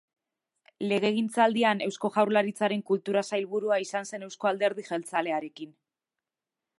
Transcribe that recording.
Legegintzaldian, Eusko Jaurlaritzaren Kultura Sailburua izan zen Eusko Alderdi Jeltzalearekin.